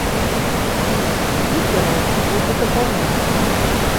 Спіс спікераў будзе дапаўняцца.